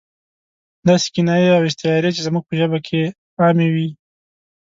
داسې کنایې او استعارې چې زموږ په ژبه کې عامې وي.